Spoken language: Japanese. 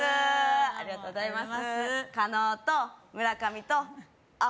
ありがとうございます